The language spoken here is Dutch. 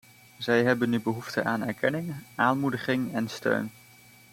Zij hebben nu behoefte aan erkenning, aanmoediging en steun.